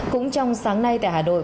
cũng trong sáng nay tại hà đội